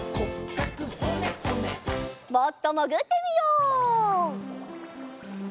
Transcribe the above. もっともぐってみよう。